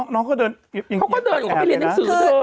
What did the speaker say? น้องเขาก็เดินออกไปเรียนหนังสือ